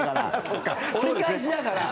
中居：折り返しだから。